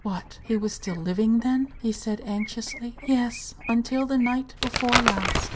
"What! he was still living, then?" he said, anxiously. "Yes; until the night before last?"